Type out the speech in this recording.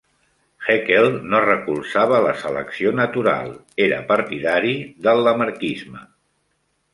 Haeckel no recolzava la selecció natural, era partidari del lamarckisme.